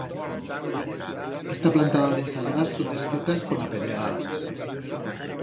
Esta plantada d'ensaladas son desfetas con la pedregada.